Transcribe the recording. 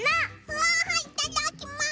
わいただきます！